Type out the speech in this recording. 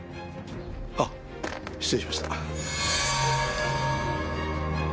あっ失礼しました。